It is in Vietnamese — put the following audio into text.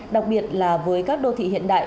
đặc biệt là với các đô thị hiện đại